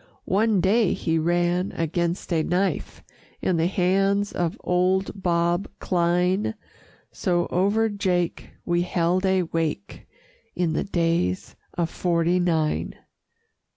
One day he ran against a knife In the hands of old Bob Cline So over Jake we held a wake, In the Days of 'Forty Nine.